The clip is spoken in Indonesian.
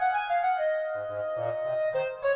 ambil stay tenang aku semua divine pula